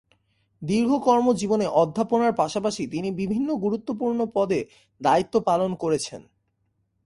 দীর্ঘ কর্মজীবনে অধ্যাপনার পাশাপাশি তিনি বিভিন্ন গুরুত্বপূর্ণ পদে দায়িত্ব পালন করেছেন।